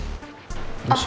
aku sangat penat